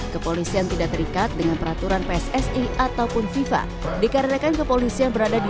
kepolisian tidak terikat dengan peraturan pssi ataupun fifa dikarenakan kepolisian berada di